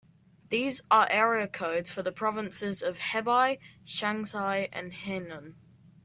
These are area codes for the provinces of Hebei, Shanxi and Henan.